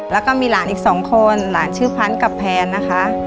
แล้วก็มีหลานอีกสองคนหลานชื่อพันธุ์กับแพนนะคะ